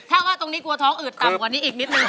ถ้าว่าตรงนี้กลัวท้องอืดต่ำกว่านี้อีกนิดนึง